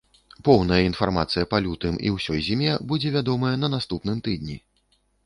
Поўная інфармацыя па лютым і ўсёй зіме будзе вядомая на наступным тыдні.